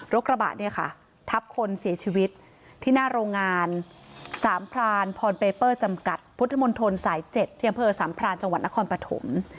โรคระบะเนี่ยค่ะทับคนเสียชีวิตที่หน้าโรงงานสพพปจพศ๗เที่ยงเผลอสพจนครปฐม